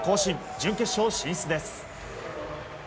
準決勝進出です。